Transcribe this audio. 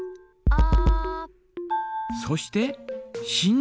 「あ」。